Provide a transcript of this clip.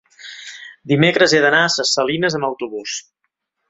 Dimecres he d'anar a Ses Salines amb autobús.